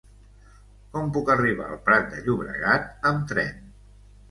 Com puc arribar al Prat de Llobregat amb tren?